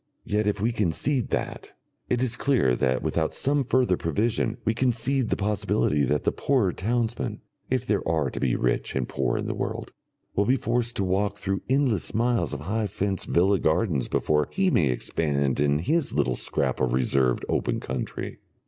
Yet if we concede that, it is clear that without some further provision we concede the possibility that the poorer townsman (if there are to be rich and poor in the world) will be forced to walk through endless miles of high fenced villa gardens before he may expand in his little scrap of reserved open country.